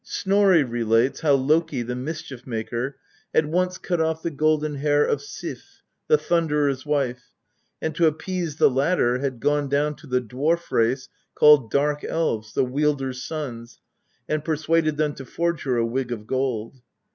Snorri relates how Loki, the mischief maker, had once cut off the golden hair of Sif, the Thunderer's wife, and to appease the latter had gone down to the dwarf race called Dark elves, the Wielder's sons, and persuaded them to forge her a wig of gold.